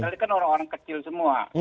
ini kan orang orang kecil semua